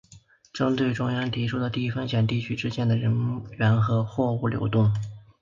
针对中央提出的低风险地区之间的人员和货物流动